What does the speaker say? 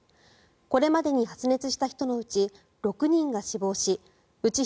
これまでに発熱した人のうち６人が死亡しうち